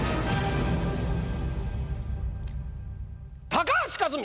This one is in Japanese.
高橋克実！